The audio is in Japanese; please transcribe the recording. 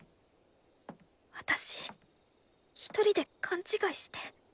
私一人で勘違いして。